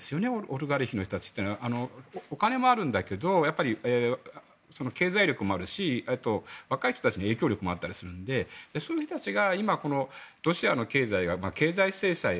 オリガルヒの人たちというのはお金もあるんだけど経済力もあるし、若い人たちに影響力もあったりするのでそういう人たちがロシアの経済が経済制裁